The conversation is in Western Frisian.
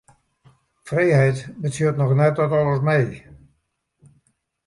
Frijheid betsjut noch net dat alles mei.